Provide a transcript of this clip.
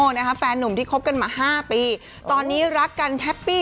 หนูเป็นคนดีอะเหมือนเขาเป็นคนดีอย่างงี้